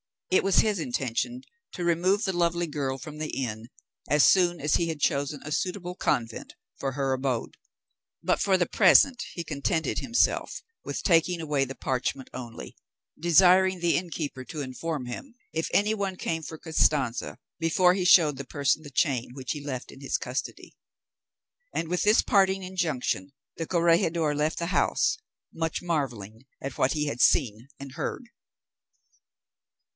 It was his intention to remove the lovely girl from the inn as soon as he had chosen a suitable convent for her abode; but for the present he contented himself with taking away the parchment only, desiring the innkeeper to inform him if any one came for Costanza, before he showed that person the chain, which he left in his custody. And with this parting injunction the corregidor left the house, much marvelling at what he had seen and heard.